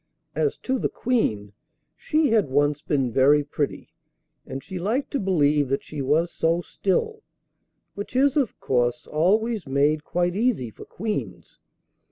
As to the Queen, she had once been very pretty, and she liked to believe that she was so still, which is, of course, always made quite easy for queens.